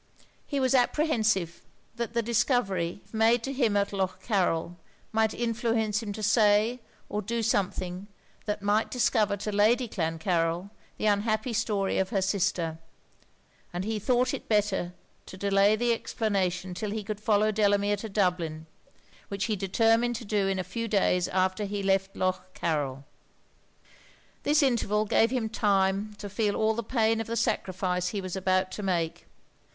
He was apprehensive that the discovery, if made to him at Lough Carryl, might influence him to say or do something that might discover to Lady Clancarryl the unhappy story of her sister; and he thought it better to delay the explanation 'till he could follow Delamere to Dublin, which he determined to do in a few days after he left Lough Carryl. This interval gave him time to feel all the pain of the sacrifice he was about to make.